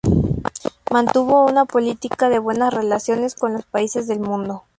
Mantuvo una política de buenas relaciones con los países del mundo.